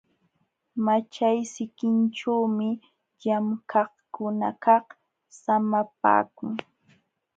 Maćhay sikinćhuumi llamkaqkunakaq samapaakun.